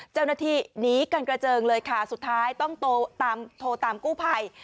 เจ้าหน้าที่หนีกันกระเจิงเลยค่ะสุดท้ายต้องโทรตามกู้ภัย